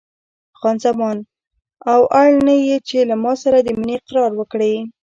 خان زمان: او اړ نه یې چې له ما سره د مینې اقرار وکړې.